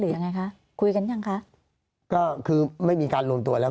ยังไงคะคุยกันยังคะก็คือไม่มีการรวมตัวแล้ว